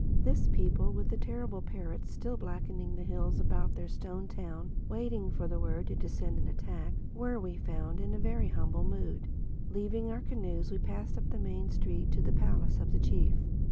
This people, with the terrible parrots still blackening the hills about their stone town, waiting for the word to descend and attack, were, we found, in a very humble mood. Leaving our canoes we passed up the main street to the palace of the chief.